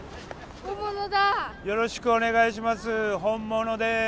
よろしくお願いします。